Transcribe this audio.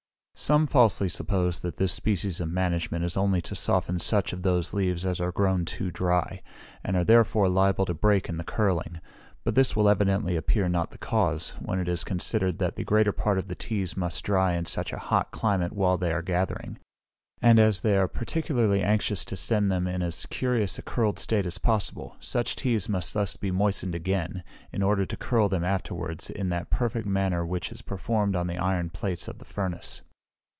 Some falsely suppose that this species of management is only to soften such of the leaves as are grown too dry, and are therefore liable to break in the curling; but this will evidently appear not the cause, when it is considered that the greater part of the teas must dry in such a hot climate while they are gathering: and as they are particularly anxious to send them in as curious a curled state as possible, such teas must be thus moistened again, in order to curl them afterwards in that perfect manner which is performed on the iron plates of the furnace.